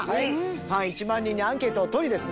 ファン１万人にアンケートを取りですね